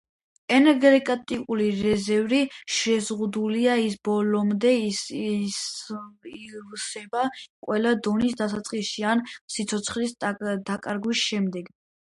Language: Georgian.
ენერგეტიკული რეზერვი შეზღუდულია, ის ბოლომდე ივსება ყველა დონის დასაწყისში ან სიცოცხლის დაკარგვის შემდეგ.